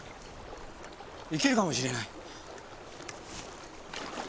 いけるかもしれない。